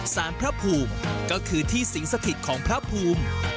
สารพระภูมิก็คือที่สิงสถิตของพระภูมิ